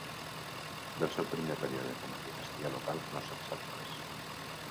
Del seu primer període com a dinastia local no se'n sap res.